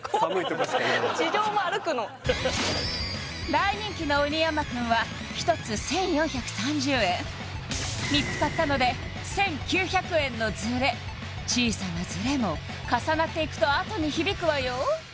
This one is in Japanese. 大人気のおにやんま君は１つ１４３０円３つ買ったので１９００円のズレ小さなズレも重なっていくとあとに響くわよ